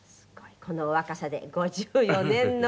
この若さで５４年の芸歴。